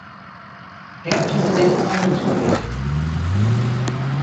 Herr Präsident des Rechnungshofes!